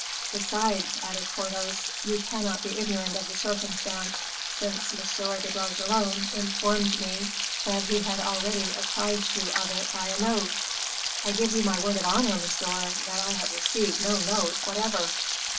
"Besides," added Porthos, "you cannot be ignorant of the circumstance, since M. de Bragelonne informed me that he had already apprised you of it by a note." "I give you my word of honor, monsieur, that I have received no note whatever."